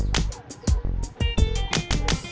tra analog akhir suara